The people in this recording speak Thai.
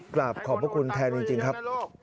กราบขอบพระคุณแทนจริงครับ